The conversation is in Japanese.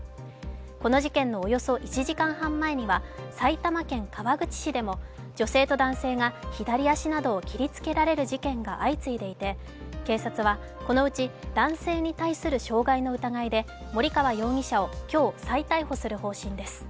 この事件のおよそ１時間半前には埼玉県川口市でも女性と男性が左足などを切りつけられる事件が相次いでいて、警察は、このうち男性に対する傷害の疑いで森川容疑者を今日、再逮捕する方針です。